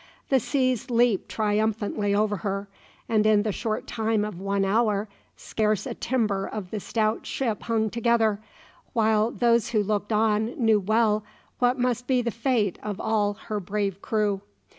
The seas leaped triumphantly over her, and in the short time of one hour, scarce a timber of the stout ship hung together, while those who looked on knew well what must be the fate of all her brave crew.